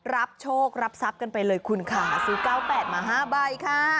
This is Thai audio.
รับโชครับทรัพย์กันไปเลยคุณค่ะซื้อ๙๘มา๕ใบค่ะ